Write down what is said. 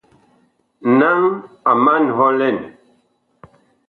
Naŋ a man hɔ lɛn.